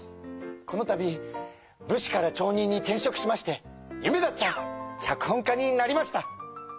このたび武士から町人に転職しまして夢だった脚本家になりました。